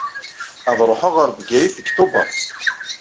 Ad ruḥeɣ ɣer Bgayet deg Tuber.